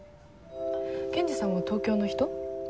ケンジさんは東京の人？